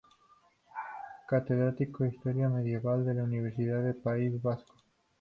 Catedrático de Historia Medieval de la Universidad del País Vasco.